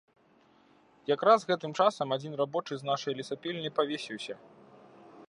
Якраз гэтым часам адзін рабочы з нашай лесапільні павесіўся.